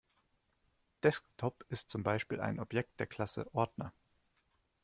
Desktop ist zum Beispiel ein Objekt der Klasse Ordner.